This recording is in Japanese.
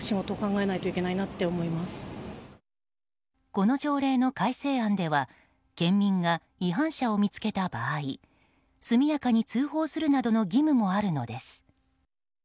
この条例の改正案では県民が違反者を見つけた場合速やかに通報するなどの義務もあるのです。